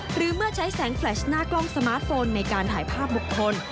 หรือเมื่อใช้แสงแฟลชหน้ากล้องสมาร์ทโฟนในการถ่ายภาพบุคคล